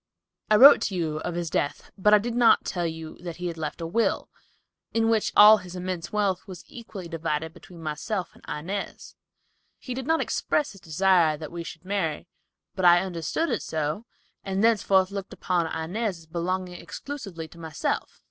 I wrote to you of his death, but I did not tell you that he had left a will, in which all his immense wealth was equally divided between myself and Inez. He did not express his desire that we should marry, but I understood it so, and thenceforth looked upon Inez as belonging exclusively to myself."